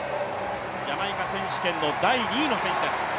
ジャマイカ選手権の第２位の選手です。